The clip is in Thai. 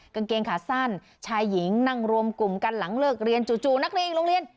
กางเกงขาสั้นชายหญิงนั่งรวมกลุ่มกันหลังเลิกเรียนจู่นักเรียนโรงเรียน